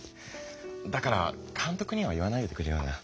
だからかんとくには言わないでくれよな。